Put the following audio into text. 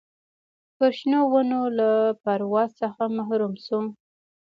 پر شنو ونو له پرواز څخه محروم سو